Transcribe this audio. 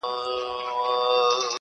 • د پردي کلي د غلۀ کانه ور وسوه ,